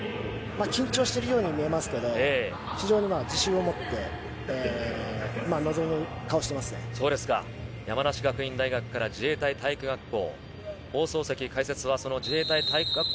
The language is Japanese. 緊張してるように見えますけれど非常に自信を持っていて山梨学院大学から自衛隊体育学校。